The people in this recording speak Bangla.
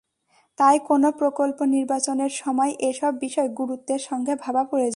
তাই কোনো প্রকল্প নির্বাচনের সময় এসব বিষয় গুরুত্বের সঙ্গে ভাবা প্রয়োজন।